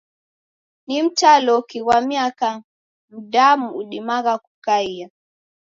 Ni mtaloki ghwa miaka mdamu udimagha kukaia?